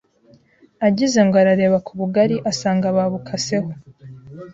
Agize ngo arareba ku bugari asanga babukaseho